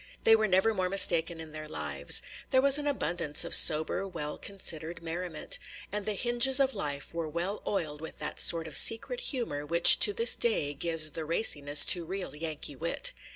They were never more mistaken in their lives. There was an abundance of sober, well considered merriment; and the hinges of life were well oiled with that sort of secret humor which to this day gives the raciness to real Yankee wit.